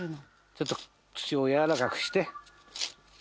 ちょっと土を軟らかくして。